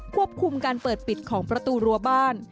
ควบคุมการเปิดปิดของประตูรัวบ้าน